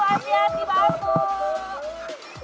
untuk melakukan body rafting kita harus menggunakan bantuan